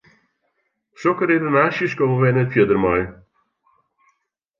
Sokke redenaasjes komme wy net fierder mei.